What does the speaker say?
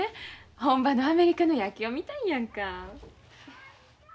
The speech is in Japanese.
本場のアメリカの野球を見たいんやんか。